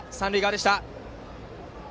三塁側でした。